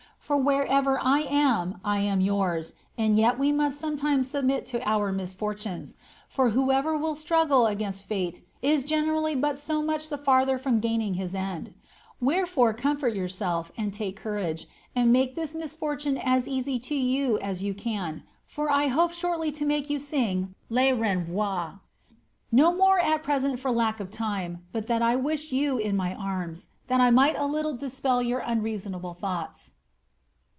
For wherever I am, I am yours, and yet we niurt sometimes submit to our misfortunes, for whoever will struggle against iate if generally but so much the farther from gaining his end : wherefore comfort your self, and take courage, and make this misfortune as easy to you as you can, lor I Jiope sliortly to make you sing * U renvoye.' *"' No more at present for lack of time, but that I wish jrou in my arms, Alt I might a little dispel your unreasonable thoughts."